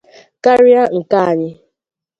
karịa nke anyị